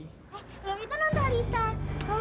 tuh kan mailbox lagi